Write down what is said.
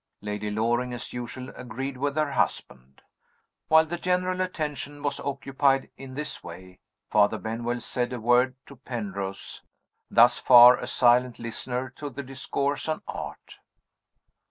Lady Loring, as usual, agreed with her husband. While the general attention was occupied in this way, Father Benwell said a word to Penrose thus far, a silent listener to the discourse on Art.